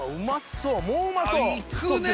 うまそいくねぇ。